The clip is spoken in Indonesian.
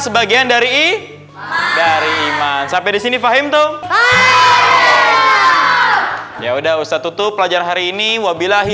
sebagian dari dari iman sampai di sini paham tuh ya udah ustadz tutup pelajaran hari ini wabilahi